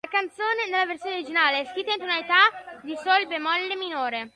La canzone nella versione originale è scritta in tonalità di Sol bemolle minore.